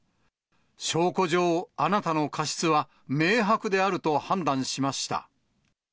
証拠上、あなたの過失は明白であると判断しました。